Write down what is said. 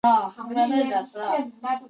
现在则改建成住宅。